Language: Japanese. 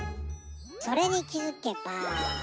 それにきづけば。